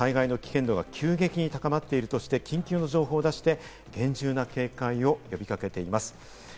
気象庁から災害の危険度が急激に高まっているとして、緊急の情報を出して厳重な警戒を呼び掛けています。